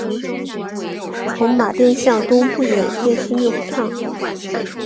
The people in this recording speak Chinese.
从马甸向东不远便是六铺炕。